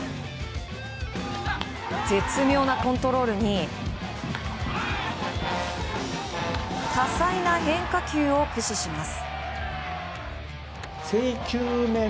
絶妙なコントロールに多彩な変化球を駆使します。